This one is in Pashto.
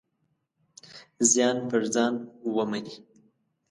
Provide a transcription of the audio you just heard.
زیان پر ځان ومني.